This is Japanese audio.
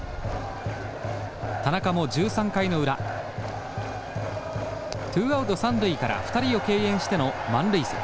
田中も１３回の裏ツーアウト三塁から２人を敬遠しての満塁策。